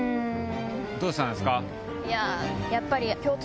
どうしたんですか？